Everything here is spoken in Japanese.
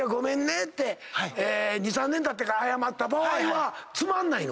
２３年たってから謝った場合はつまんないの？